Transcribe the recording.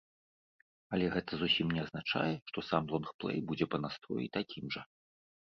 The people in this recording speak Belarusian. Але гэта зусім не азначае, што сам лонгплэй будзе па настроі такім жа.